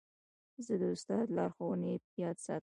زه د استاد لارښوونې یاد ساتم.